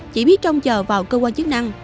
chỉ biết trông chờ vào cơ quan chức năng